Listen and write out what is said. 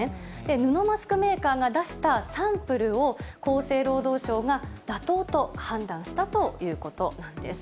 布マスクメーカーが出したサンプルを厚生労働省が妥当と判断したということなんです。